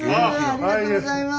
ありがとうございます。